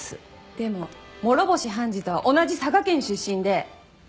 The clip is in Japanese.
でも諸星判事とは同じ佐賀県出身で。